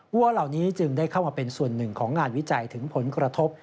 วัวเหล่านี้จึงได้เข้ามาเป็นส่วนหนึ่งของงานวิจัยถึงผลกระทบ